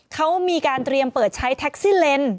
เขามีการเตรียมเปิดใช้แท็กซี่เลน